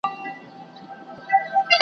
دا له کومه کوه قافه را روان یې .